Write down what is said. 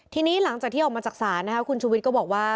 ทีนี้หลังจากที่ออกมาจากศาลคุณชุวิตก็บอกว่า